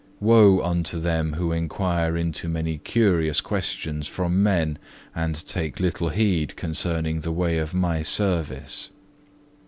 Woe unto them who inquire into many curious questions from men, and take little heed concerning the way of My service.